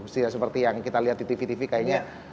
tidak seperti yang kita lihat di tv tv kayaknya